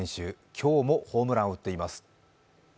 今日もホームランを打っています。